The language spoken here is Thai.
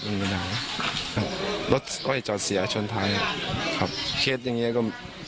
มันเป็นอะไรครับรถก็จะเสียชนท้ายครับครับเคสอย่างเงี้ยก็